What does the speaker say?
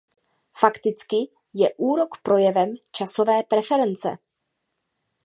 Fakticky je úrok projevem "časové preference".